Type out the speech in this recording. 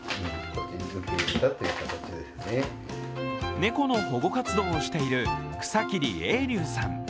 猫の保護活動をしている草切榮隆さん。